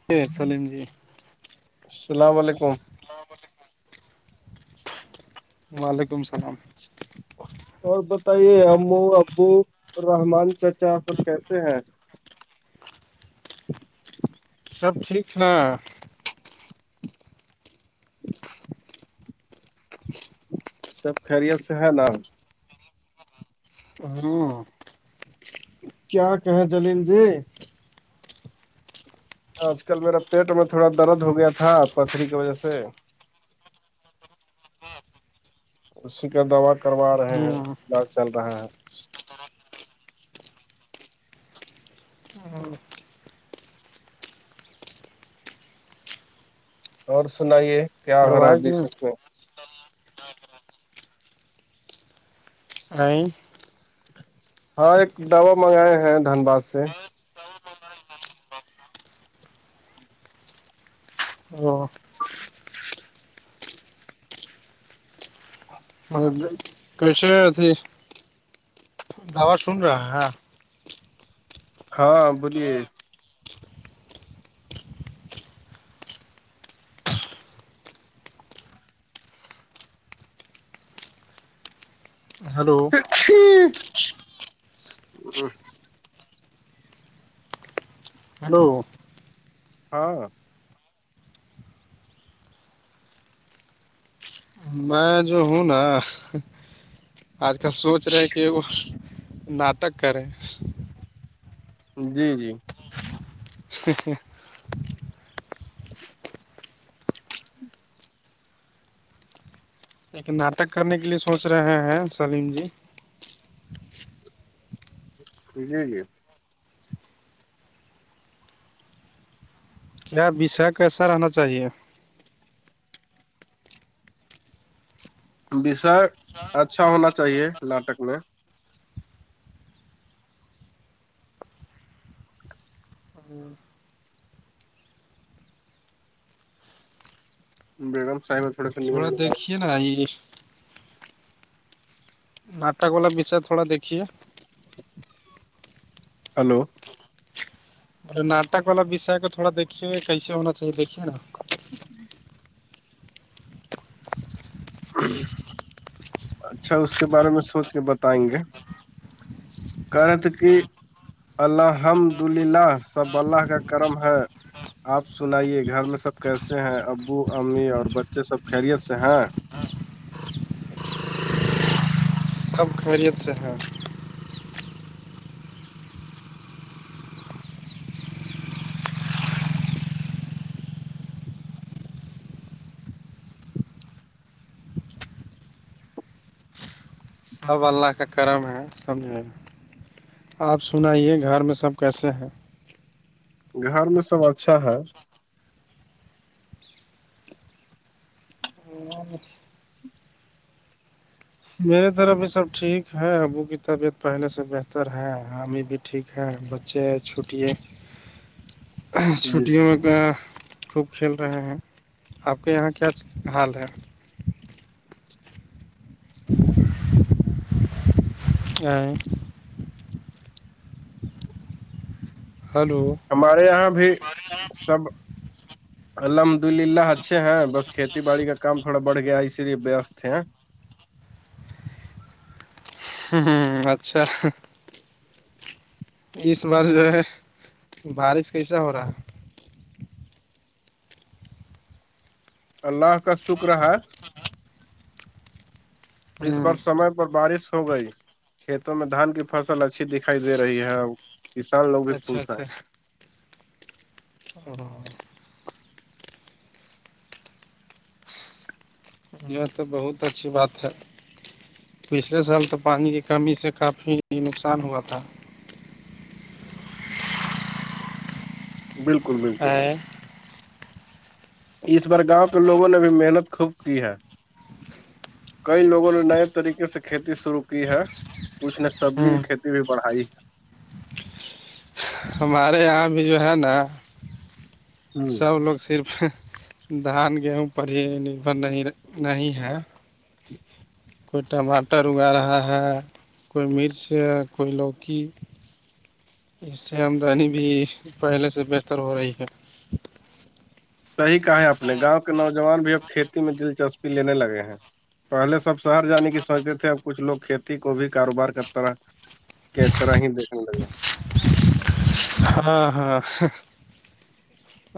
[unintelligible] السلام علیکم سلام علیکم وعلیکم السلام [unintelligible] اور بتائیے او ابو رحمان چچا پر کیسے ہیں [unintelligible] سب ٹھیک نا سب خیریت سے ہے نا [unintelligible] کیا کہیں جلیین جی آج کل میرا پیٹ میں تھوڑا درد ہو گیا تھا پتھری کی وجہ سے اسی کا دوا کروا رہے ہیں ہاں داغ چل رہا ہے [unintelligible] اور سنائیے کیا ہو رہا ہے کروائے کہ ابھی سچ میں [unintelligible] ہاں ایک دوا منگائے ہیں دھنباد سے [unintelligible] کیسےتیھی داز سن رہا ہیں ہ ہاں بولیے ہلو [unintelligible] ہیلو ہاں میں جو ہوں نا آج کل سوچ رہے کہ وہ ناٹک کریں جی جی ہ ایک ناٹک کرنے کے لیے سوچ رہے ہیں سلیم جی پ جے کیا بشا کیسا رہنا چاہیے وسر اچھا ہونا چاہیے ناٹک میں ہوں بیگم سائ تھوڑا دیکھیے نا یہ ناٹک والا بچر تھوڑا دیکھیے ہلو بے ناٹک والا وشے کو تھوڑا دیکھیے کیسے ہونا چاہیے دیکھیے نا ہٹ ہ اچھا اس کے بارے میں سوچ کے بتائیں گے کہ رہے تھ کہ الحمد للہ سب اللہ کا کرم ہے آپ سنائیے گھر میں سب کیسے ہیں ابو امی اور بچے سب خیریت سے ہیں ب خیریت سےحب اچھا اب اللہ کا کرم ہے سمج آپ سنائیے گھر میں سب کیسے ہیں گھر میں سب اچھا ہے ہ میے طرف یہ سب ٹھیک ہے ابو کی طبیعت پہلے سے بہتر ہے ہمیں بھی ٹھیک ہے بچے چھٹی ہے ج چھٹییاںک خوب کھیل رہے ہیں آپ کے یہاں کیا حال ہے اچھا ہلو ہمارے یہاں بھی سب الحمد للہ اچھے ہیں بس کھیتی باڑی کا کام تھوڑا بڑ گیا ہے اسی لیے وست ہے ہ اچھا اس بار جو ہے بارش کیسا ہو رہا ہے اللہ کا شکر ہے ہے اس بار ہ سمے پر بارش ہو گئی کھیتوں میں دھان کی فصل اچھی دکھائی دے رہی ہے کسان لوگ بھی اچھا خوش ہیں اور یہاں تو بہت اچھی بات ہے پچھلے سال تو پانی کی کمی سے کافی نقصان ہوا تھا بالکل بالکل تھا اس بار گاؤں کے لوگوں نے بھی محنت خوب کی ہے کئی لوگوں نے نئے طریقے سے کھیتی شروع کی ہے اس نے سبزی کی کھیتی بھی بڑھائی ہمارے یہاں بھی جو ہے نا ہے سب لوگ صرف دھان گیہوں پر ہی نربھر نہیں نہیں ہے کوئی ٹماٹر اگا رہا ہے کوئی مرچ ہے کوئی لوکی اس سے آمدنی بھی پہلے سے بہتر ہو رہی ہے صحیح کہا ہے اپپ نے گاؤں کے نوجوان بھی اب کھیتی میں دلچسپی لینے لگے ہیں پہلے سب شہر جانے کی سوچتے تھے اب کچھ لوگ کھیتی کو بھی کاروبار کرتا رہا ک طرح ہی دیکھنے لگے ہاں ہاں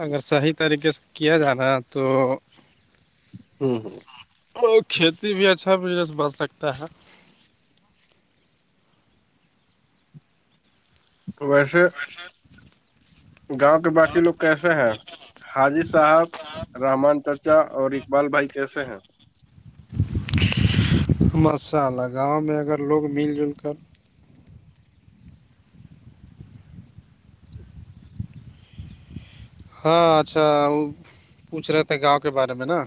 اگر صحیح طریقے سے کیا جانا تو ہوں ہوں وہ کھیتی بھی اچھا بزنس بن سکتا ہے ویسے گاؤں کے باقی لوگ کیسے ہیں حاجی صاحب رحمان چچا اور اقبال بھائی کیسے ہیں ماشاءلہ گاؤں میں اگر لوگ مل جل کر ہاں اچھا وہ پوچھ رہے تھے گاؤں کے بارے میں نا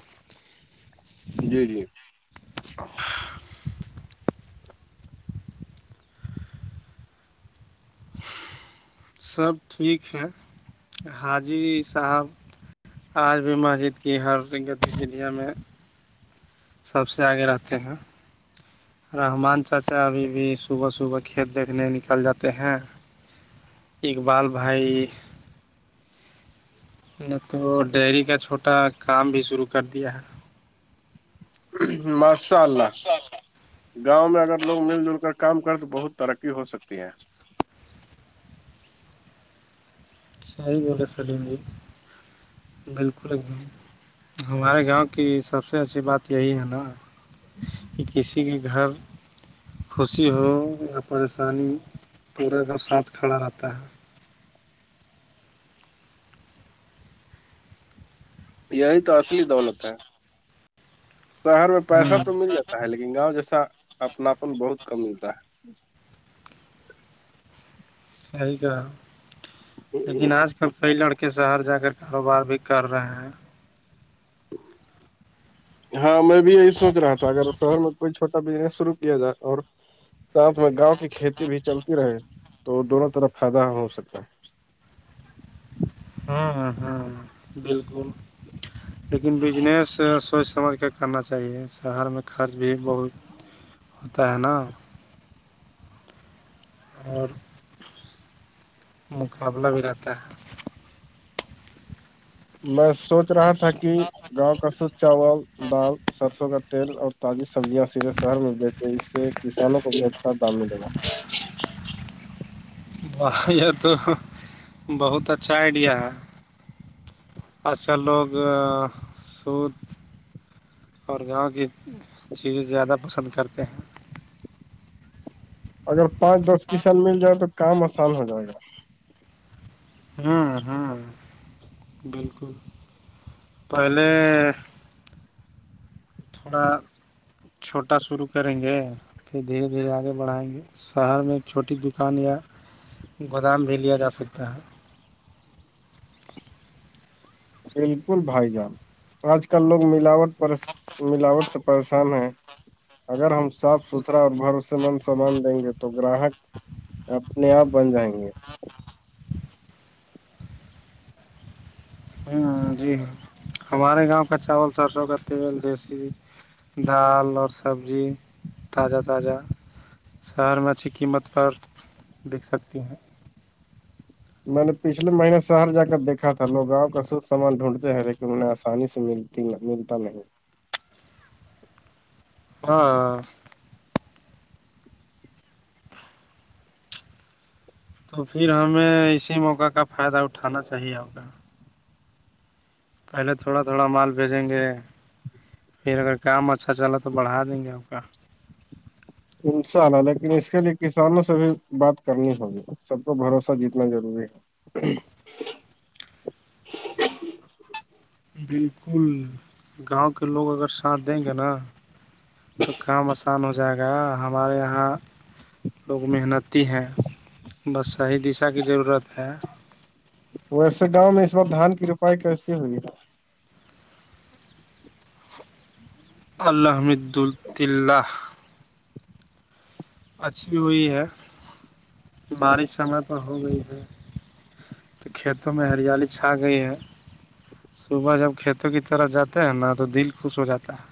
جی جی سب ٹھیک ہے حاجی صاحب آج بھی مسجد کی ہر گتیولیا میں سب سے آگے رہتے ہیں رحمان چاچا ابھی بھی صبح صبح کھیت دیکھنے نکل جاتے ہیں اقبال بھائی نہ تو ڈیری کا چھوٹا کام بھی شروع کر دیا ہے مشاء اللہ گاؤں میں اگر لوگ مل جل کر کام کریں تو بہت ترقی ہو سکتی ہے سی بولے سلی جی بالکل ایک ب ہمارے گاؤں کی سب سے اچھی بات یہی ہے نا کہ کسی کے گھر خوشی ہو پریشانی پورا کا سانھ کھڑا رہتا ہے یہی تو اصلی دولت ہے شہر میں ہے پیسہ ہ تو مل جاتا ہے لیکن گاؤں جیسا اپناپن بہت کم ملتا ہے صحی کہا لیکن آج کل کئی لڑکے شہر جا کر کاروبار بھی کر رہے ہیں ہاں میں بھی یہی سوچ رہا تھا اگر شہر میں کوئی چھوٹا بزنس شرو کیا جائے اور ساتھ میں گاؤں کی کھیتی بھی چلتی رہے تو دونوں طرف فائدہ ہو سکتا ہے ہ ہ ہ بالکل لیکن بجنس سوچ سمجھ کے کرنا چاہیے شہر میں خرچ بھی بہت ہوتا ہے نا اور مقابلہ بھی رہتا ہے میں سوچ رہا تھا کہ گاؤں کا سھ چاول دال سرسوں کا تیل اور تازی سبزیاں سیدھے شہر میں بیچے اس سے کسانوں کو بھی اچھا دام ملے گا یہ تو بہت اچھا آئیڈیا ہے آج کل لوگ سد اور گاؤں کی چیزیں زیادہ پسند کرتے ہیں اگر پانچ دس کسان مل جائے تو کام آسان ہو جائے گا ہوں ہوں بالکل پہلے تھوڑا چھوٹا شروع کریں گے کہھر دھیرے دھیرے آگے بڑھائیں گے شہر میں چھوٹی دکان یا گودام بھی لیا جا سکتا ہے بالکل بھائی جان آج کل لوگ ملاوٹ پر ملاوٹ سے پریشان ہیں اگر ہم صاف ستھرا اور بھروسے مند سامان دیں گے تو گراہک اپنے آپ بن جائیں گے ہاں جی ہ ہمارے گاؤں کا چاول سرسوں کا تیل دیسی دال اور سبزی تازہ تازہ شہر میں اچھی قیمت پر بک سکتی ہیں میں نے پچھلے مہینے شہر جا کر دیکھا تھا لوگاں کا سھ سامان ڈھونڈتے ہیں لیکن انہیں آسانی سے مل ملتا نہیں ہاں تو پھر ہمیں اسی موقع کا فائدہ اٹھانا چاہیے آگ پہلے تھوڑا تھوڑا مال بھیجیں گے پھر اگر کام اچھا چلا تو بڑھا دیں گے آپ کا انشاءلہ لیکن اس کے لیے کسانوں سے بھی بات کرنی ہوگی سب کو بھروسہ جیتنا ضروری ہے بالکل گاؤں کے لوگ اگر ساتھ دیں گے نا تو کام آسان ہو جائے گا ہمارے یہاں لوگ محنت تی ہیں بس صحیح دشا کی ضرورت ہے ویسے گاؤں میں اس بار دھان کی روپائی کیسی ہوگی نا الحمد الدلہ اچ بھی ہوئی ہے بارش سمے پر ہو گئی ہے تو کھیتوں میں ہریالی چھا گئی ہے صبح جب کھیتوں کی طرف جاتے ہیں نا تو دل خوش ہو جاتا ہے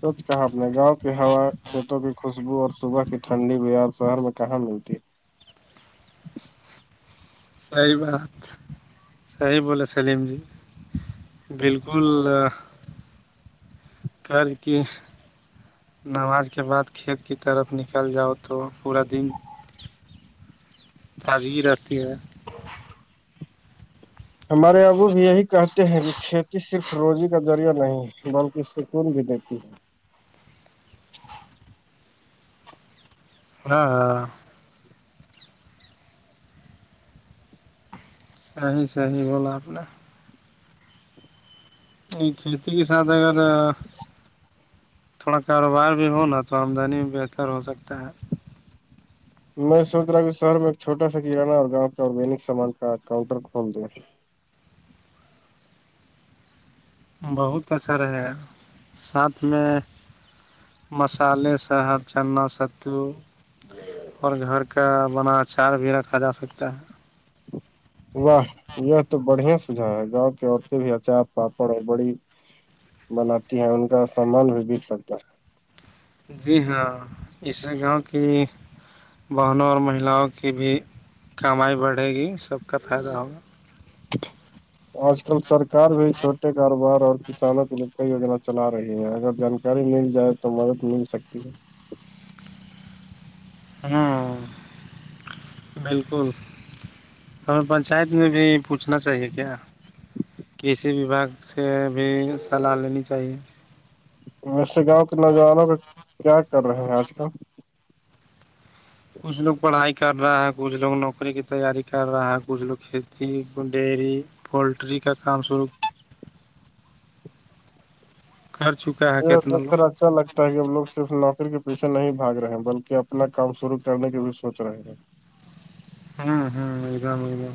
سچ کہا اپ نے گاؤں کی ہوا کھیتوں کی خوشبو اور صبح کی ٹھنڈی بار شہر میں کہاں ملتی ہے سی بات صحیح بولے سلیم جی بالکل کار کی نماز کے بعد کھیت کی طرف نکل جاؤ تو پورا دن تازی ہی رہاتتی ہے ہمارے اگو بھی یہی کہتے ہیں کہ کھیتی صرف روزی کا ذریعہ نہیں بلکہ سکون بھی دیتی ہے ہاں ہاں صحی ص ہییح بولا آپ نے نہیں کھیتی کے ساتھ اگر تھوڑا کاروبار بھی ہو نا تو آمدنی بھی بہتر ہو سکتا ہے میں سوچ رہا ہوں کہ شہر میں ایک چھوٹا سا کانہ اور گاؤں کے آرگینک سامان کا کاؤنٹر کھول د ہیں بہت اچھا رہے ساتھ میں مسالے سے ہر چنا سدو اور گھر کا بنا اچار بھی رکھا جا سکتا ہے واہ یہ تو بڑھیا سجھا ہے گاؤں کی عورتیں بھی اچار پاپڑ ہے بڑی بناتی ہیں ان کا سامان بھی بک سکتا ہے جی ہاں اسے گاؤں کی بہنوں اور مہیلاؤں کی بھی کمائی بڑھے گی سب کا فائدہ ہوگا آج کل سرکار بھی چھوٹے کاروبار اور کسانوں کے ل کئی یجنا چلا رہی ہے اگر جانک ساری مل جائے تو مدد مل سکتی ہے ہاں بالکل ہمیں پنچایت میں بھی پوچھنا چاہیے کیا کسی وباگ سے بھی صلاح لینی چاہیے ویسے گاؤں کے نوجوانوں کا کیا کر رہے ہیں آج کل کچھ لوگ پڑھائی کر رہا ہے کچھ لوگ نوکری کی تیاری کر رہا ہے کچھ لوگ کھیتی ڈیری پولٹری کا کام شوع کر چکا ہے کتنا لوگ [unintelligible] اچھا لگتا ہے کہ وہ لوگ صرف نوکری کے پیھے نہیں بھاگ رہے بلکہ اپنا کام شروع کرنے کے بھی سوچ رہے ہیں ہوں ہوں ایک دم ایکم